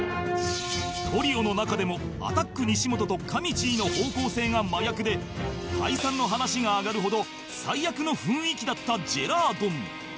トリオの中でもアタック西本とかみちぃの方向性が真逆で解散の話が上がるほど最悪の雰囲気だったジェラードン